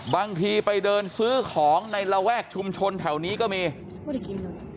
บางทีไปเดินซื้อของในระแวกชุมชนแถวนี้ก็มี